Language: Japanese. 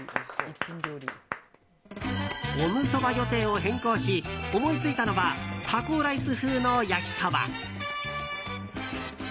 オムそば予定を変更し思いついたのはタコライス風の焼きそば。